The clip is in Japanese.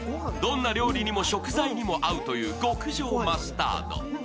どんな料理にも食材にも合うという極上マスタード。